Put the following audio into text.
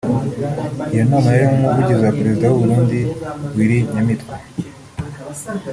iyo nama yarimo n’umuvugizi wa Perezida w’u Burundi Willy Nyamitwe